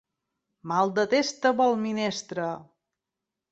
Mal de testa vol minestra.